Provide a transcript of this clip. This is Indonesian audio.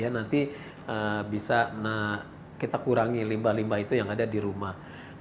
nanti bisa kita kurangi limbah limbah itu yang ada di rumah